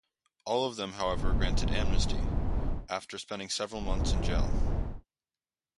All of them were however granted amnesty, after spending several months in jail.